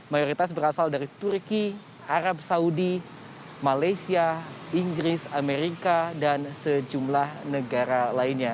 mayoritas berasal dari turki arab saudi malaysia inggris amerika dan sejumlah negara lainnya